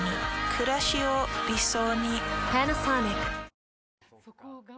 くらしを理想に。